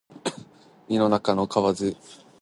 井の中の蛙大海を知らず